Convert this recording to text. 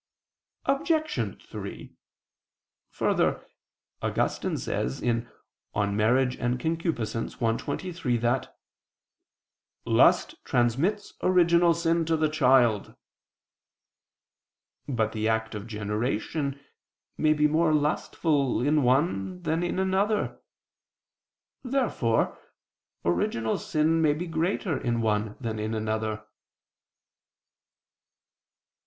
Obj. 3: Further, Augustine says (De Nup. et Concep. i, 23) that "lust transmits original sin to the child." But the act of generation may be more lustful in one than in another. Therefore original sin may be greater in one than in another.